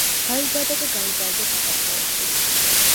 დაიბადა და გაიზარდა საქართველოში.